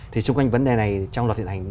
thì xung quanh vấn đề này trong đoạn thiện hành